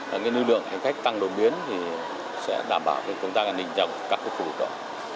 cái lực lượng hành khách tăng đồn biến thì sẽ đảm bảo công tác an ninh trong các khu vực đó